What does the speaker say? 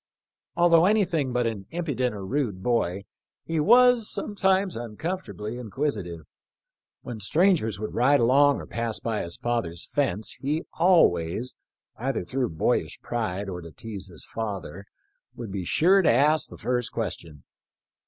Although anything but an impudent or rude boy he was sometimes uncomfort ably inquisitive. When strangers would ride along or pass by his father's fence he always — either through boyish pride or to tease his father — ^would be sure to ask the first question.